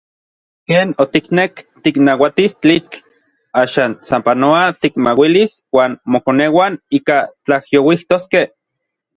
Ken otiknek tiknauatis tlitl, axan sapanoa tikmauilis uan mokoneuan ika tlajyouijtoskej.